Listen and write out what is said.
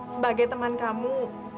sebagai teman kamu